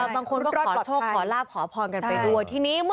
บางคนก็ขอโชคขอลาบขอพรกันไปดู